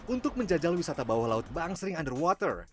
untuk menjajal wisata bawah laut bank sering under water